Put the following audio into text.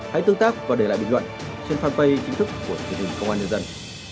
hãy tương tác và để lại bình luận trên fanpage chính thức của chủ tịch công an nhân dân